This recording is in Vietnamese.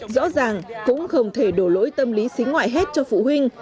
rõ ràng cũng không thể đổ lỗi tâm lý xính ngoại hết cho phụ huynh